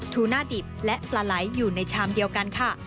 ทูน่าดิบและปลาไหลอยู่ในชามเดียวกันค่ะ